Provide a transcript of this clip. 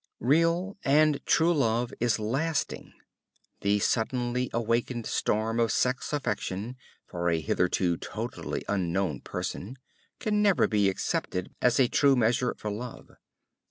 Real and true love is lasting. The suddenly awakened storm of sex affection for a hitherto totally unknown person can never be accepted as a true measure for love.